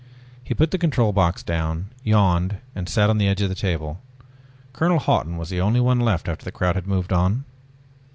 He put the control box down, yawned and sat on the edge of the table. Colonel Hawton was the only one left after the crowd had moved on.